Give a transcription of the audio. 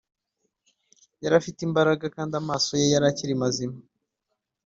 yari agifite imbaraga+ kandi amaso ye yari akiri mazima